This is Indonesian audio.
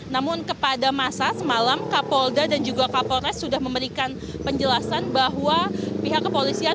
namun kepada masa semalam kapolda dan juga kapolres sudah memberikan penjelasan bahwa pihak kepolisian